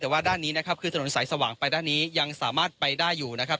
แต่ว่าด้านนี้นะครับคือถนนสายสว่างไปด้านนี้ยังสามารถไปได้อยู่นะครับ